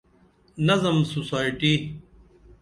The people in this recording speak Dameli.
نظم سوسائٹی